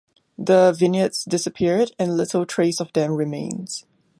The vineyards disappeared, and little trace of them remains.